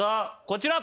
こちら。